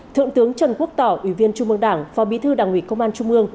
thượng tướng trần quốc tỏ ủy viên trung mương đảng phó bí thư đảng ủy công an trung mương